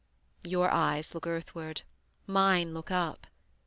Your eyes look earthward, mine look up.